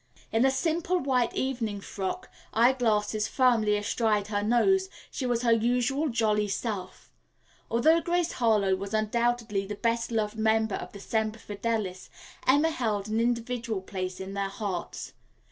In a simple white evening frock, eye glasses firmly astride her nose, she was her usual jolly self. Although Grace Harlowe was undoubtedly the best loved member of Semper Fidelis, Emma held an individual place in their hearts.